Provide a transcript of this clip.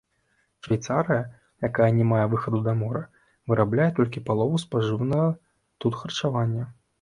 Швейцарыя, якая не мае выхаду да мора, вырабляе толькі палову спажыванага тут харчавання.